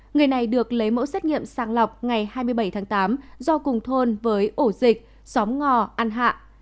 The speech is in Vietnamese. người này được lấy mẫu xét nghiệm sàng lọc ngày hai mươi bảy tháng tám do cùng thôn với ổ dịch xóm ngò ăn hạ